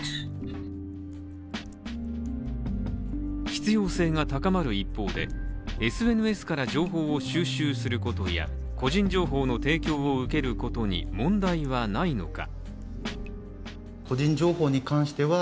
必要性が高まる一方で、ＳＮＳから情報を収集することや個人情報の提供を受けることに問題はないのか。